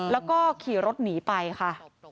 แล้วก็ขี่รถหนีไปค่ะ